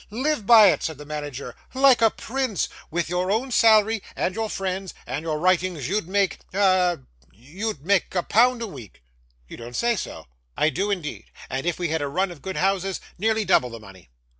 'Live by it!' said the manager. 'Like a prince! With your own salary, and your friend's, and your writings, you'd make ah! you'd make a pound a week!' 'You don't say so!' 'I do indeed, and if we had a run of good houses, nearly double the money.